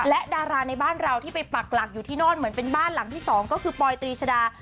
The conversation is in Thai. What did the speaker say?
และดาราในบ้านเราที่ไปปักหลักอยู่ที่โน่นเหมือนเป็นบ้านหลังที่สองก็คือปอยตรีชดา